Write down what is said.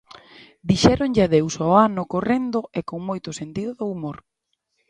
Dixéronlle adeus ao ano correndo e con moito sentido do humor.